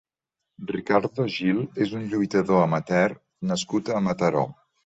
Ricardo Gil és un lluitador amateur nascut a Mataró.